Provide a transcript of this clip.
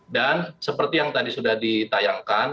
dan seperti yang tadi sudah ditayangkan